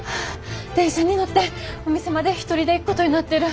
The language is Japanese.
電車に乗ってお店まで一人で行くことになってる。